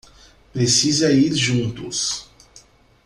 Precisa ir juntos